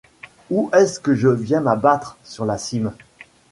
Où est-ce que je viens m’abattre? sur la cime!